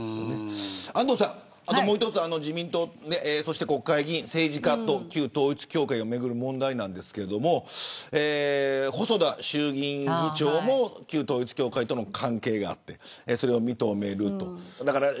安藤さん、もう一つ国会議員、政治家と旧統一教会をめぐる問題ですが細田衆議院議長も旧統一教会との関係があってそれを認める。